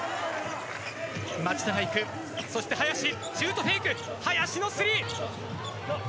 町田が行くそして、林シュートフェイク！